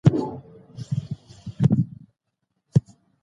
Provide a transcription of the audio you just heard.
سالم عادتونه بدن پیاوړی کوي.